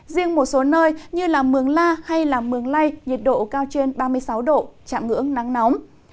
riêng một số nơi như mường la hay mường lây nhiệt độ cao trên ba mươi sáu độ chạm ngưỡng nắng nóng